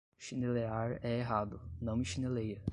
Chinelear é errado, não me chineleia!